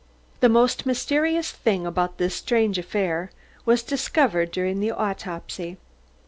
The most mysterious thing about this strange affair was discovered during the autopsy.